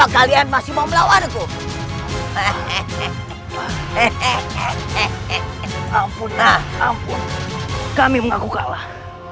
kami belum kalah